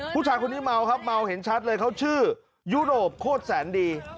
ผู้ชายคนนี้เมาครับเมาเห็นชัดเลยเขาชื่อยุโรปโคตรแสนดี